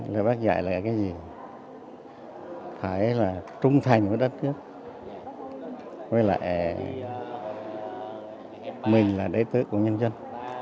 lời bác dạy là cái gì phải là trung thành với đất nước với lại mình là đế tử của nhân dân